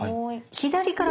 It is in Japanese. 左から。